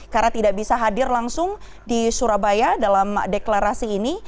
karena tidak bisa hadir langsung di surabaya dalam deklarasi ini